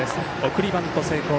送りバント成功。